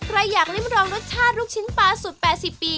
ใครอยากริมรองรสชาติลูกชิ้นปลาสุด๘๐ปี